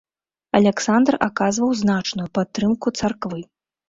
Аляксандр аказваў значную падтрымку царквы.